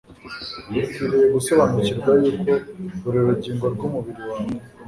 Ukwiriye gusobanukirwa yuko buri rugingo rwumubiri wawe